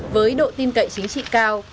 với độ tin cậy chính trị cao